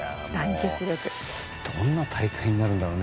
どんな大会になるんだろうね。